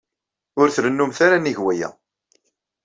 Ur trennumt ara nnig waya.